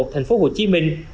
thành phố hồ chí minh